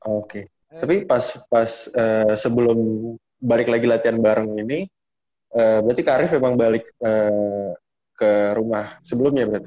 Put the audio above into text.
oke tapi pas sebelum balik lagi latihan bareng ini berarti kak arief memang balik ke rumah sebelumnya berarti